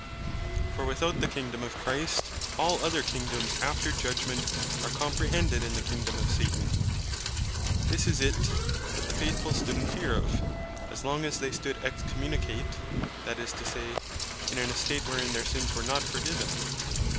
For without the Kingdom of Christ, all other Kingdomes after Judgment, are comprehended in the Kingdome of Satan. This is it that the faithfull stood in fear of, as long as they stood Excommunicate, that is to say, in an estate wherein their sins were not Forgiven.